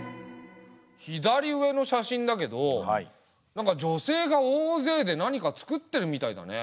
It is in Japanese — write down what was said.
左上の写真だけどなんか女性が大勢で何かつくってるみたいだね。